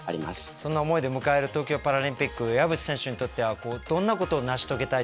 そんな思いで迎える東京パラリンピック岩渕選手にとってはどんなことを成し遂げたい大会になるんでしょうか。